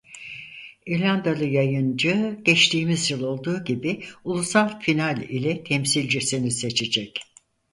İrlandalı yayıncı geçtiğimiz yıl olduğu gibi Ulusal final ile temsilcisini seçecek.